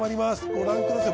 ご覧ください